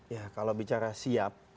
ya kalau bicara siap